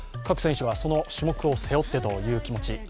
各選手はその種目を背負ってという気持ち。